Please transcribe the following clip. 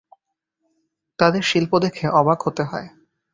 তাদের শিল্প দেখে অবাক হতে হয়।